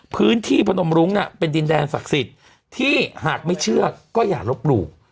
พื้นที่พนมรุ้งน่ะเป็นดินแดงศักดิ์สิทธิ์ที่หากไม่เชื่อก็อย่ารบบลูก